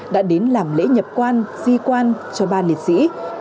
đã đến làm lễ nhập quan di quan cho ba liệt sĩ